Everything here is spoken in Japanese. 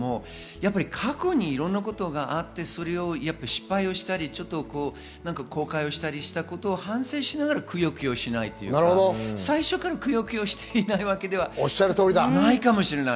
過去にいろんなことがあって失敗したり、後悔したりしたことを反省しながらくよくよしない、最初からくよくよしていないわけではないかもしれない。